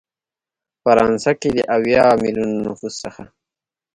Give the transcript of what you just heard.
فرانسه کې د اویا ملیونه نفوس څخه